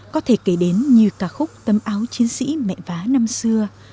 có thể kể đến như ca khúc tấm áo chiến sĩ mẹ vá năm xưa